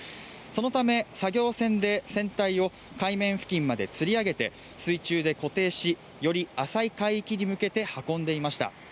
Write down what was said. そのため、作業船で船体を海面付近までつり上げて水中で固定し、より浅い海域に向けて運んでいました。